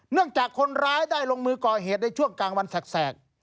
จากคนร้ายได้ลงมือก่อเหตุในช่วงกลางวันแสก